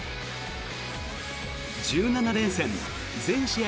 １７連戦全試合